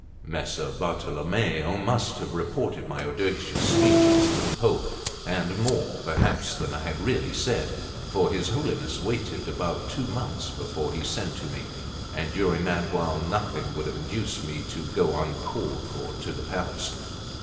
Messer Bartolommeo must have reported my audacious speeches to the Pope, and more perhaps than I had really said; for his Holiness waited above two months before he sent to me, and during that while nothing would have induced me to go uncalled for to the palace.